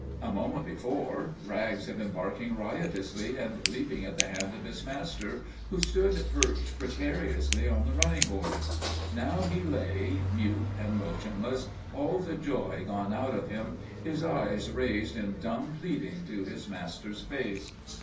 A moment before Rags had been barking riotously and leaping at the hand of his master who stood perched precariously on the running board. Now he lay, mute and motionless, all the joy gone out of him, his eyes raised in dumb pleading to his master's face.